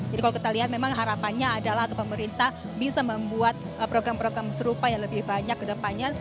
jadi kalau kita lihat memang harapannya adalah pemerintah bisa membuat program program serupa yang lebih banyak kedepannya